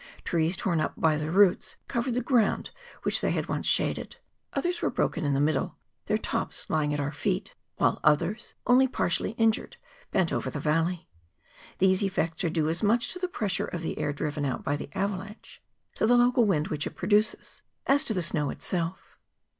Trees torn up by the roots covered the ground which they had once shaded,— others were broken in the middle, their tops lying at our fbet; while others, only partially injured, bent over the valley. These effects are due as much to the pres¬ sure of the air driven out by the avalanche,—to the local wind which it produces—as to the snow itself.